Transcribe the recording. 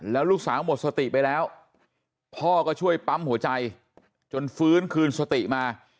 แล้วลูกสาวหมดสติไปแล้วพ่อก็ช่วยปั๊มหัวใจจนฟื้นคืนสติมา